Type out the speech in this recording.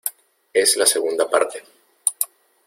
es la segunda parte.